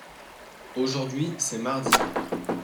aujourd'hui c'est mardi.